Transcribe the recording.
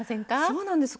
そうなんです